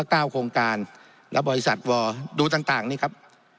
เก้าโครงการและบริษัทวอร์ดูต่างต่างนี่ครับ